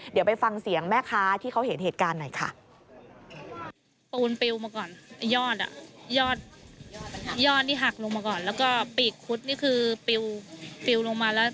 เดี๋ยวไปฟังเสียงแม่ค้าที่เขาเห็นเหตุการณ์หน่อยค่ะ